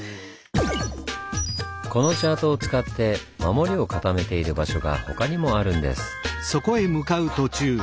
このチャートを使って守りを固めている場所が他にもあるんです。